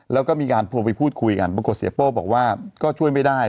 แล้วก็มีการโทรไปพูดคุยกันปรากฏเสียโป้บอกว่าก็ช่วยไม่ได้